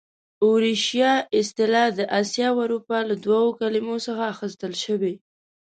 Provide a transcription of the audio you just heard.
اوریشیا اصطلاح د اسیا او اروپا له دوو کلمو څخه اخیستل شوې.